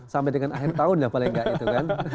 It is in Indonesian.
sampai dengan akhir tahun lah paling nggak itu kan